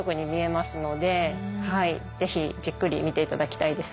ぜひじっくり見て頂きたいです。